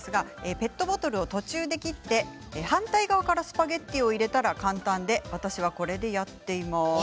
ペットボトルを途中で切って反対側からスパゲッティを入れたら簡単で私は、これでやっています。